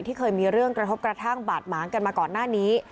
เคยมีเรื่องกระทบกระทั่งบาดหมางกันมาก่อนหน้านี้